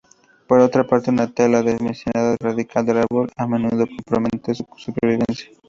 Por otra parte, una tala demasiado radical del árbol a menudo compromete su supervivencia.